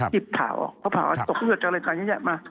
หลีบผ่าออกเพราะผ่าออกจะตกเผือจากอะไรก็ยังไง